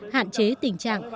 hạn chế tình trạng